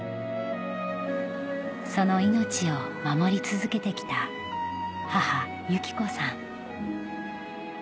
その命を守り続けて来た母・有紀子さん